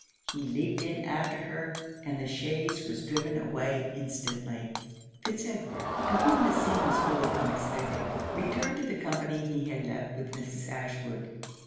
He leaped in after her, and the chaise was driven away instantly. Fitz Edward, to whom this scene was wholly unexpected, returned to the company he had left with Mrs. Ashwood.